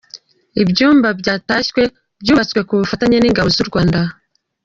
Ibyumba byatashywe byubatswe ku bufatanye n’ingabo z’u Rwanda.